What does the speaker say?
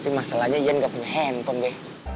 tapi masalahnya ian gak punya handphone be